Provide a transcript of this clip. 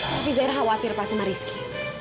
tapi zair khawatir pak sama rizky